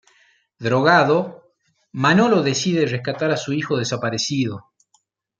Drogado, Manolo decide rescatar a su hijo desaparecido.